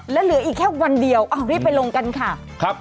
แล้วเหลืออีกแค่วันเดียวเอารีบไปลงกันค่ะครับ